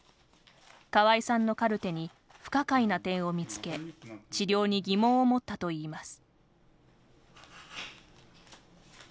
河合さんのカルテに不可解な点を見つけ治療に疑問を持ったといいます。